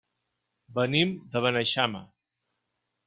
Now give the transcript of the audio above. Venim de Beneixama.